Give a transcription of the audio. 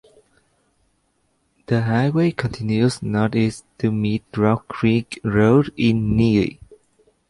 The highway continues northeast to meet Rock Creek Road in Neeley.